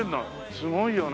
すごいよね。